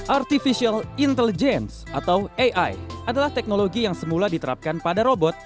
artificial intelligence atau ai adalah teknologi yang semula diterapkan pada robot